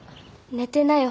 寝てなよ。